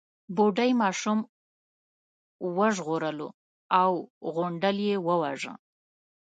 بوډۍ ماشوم وژغورلو او غونډل يې وواژه.